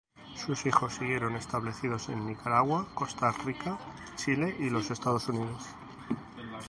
Sus hijos siguieron establecidos en Nicaragua, Costa Rica, Chile y los Estados Unidos.